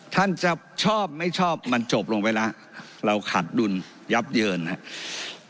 ท่านจะชอบไม่ชอบมันจบลงไปแล้วเราขาดดุลยับเยินครับ